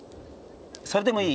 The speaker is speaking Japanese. それでもいい？